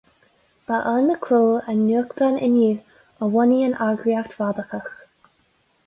Ba ann a clódh an nuachtán Inniu, a bhunaigh an eagraíocht radacach.